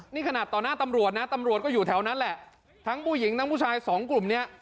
นี่ขนาดต่อหน้าตำรวจนะตำรวจก็อยู่แถวนั้นแหละทั้งผู้หญิงทั้งผู้ชายสองกลุ่มเนี้ย